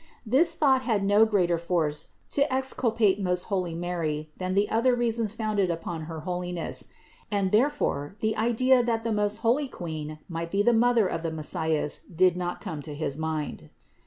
This thought had no greater force to exculpate most holy Mary than the other reasons founded upon her holiness ; and therefore the idea that the most holy Queen might be the Mother of the Messias did not come to his mind.